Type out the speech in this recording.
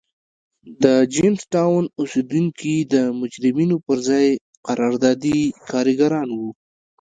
د جېمز ټاون اوسېدونکي د مجرمینو پر ځای قراردادي کارګران وو.